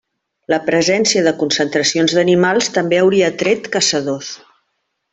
La presència de concentracions d'animals també hauria atret caçadors.